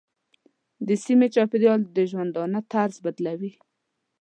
د سیمې چاپېریال د ژوندانه طرز بدلوي.